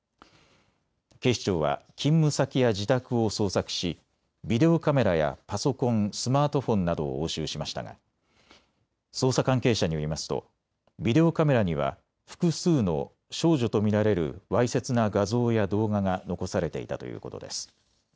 警視庁は勤務先や自宅を捜索しビデオカメラやパソコン、スマートフォンなどを押収しましたが捜査関係者によりますとビデオカメラには複数の少女と見られるわいせつな画像や動画が残されていたということです。